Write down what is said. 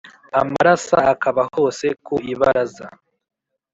Amarasa akaba hose ku ibaraza